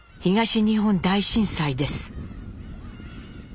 東日本大震災です。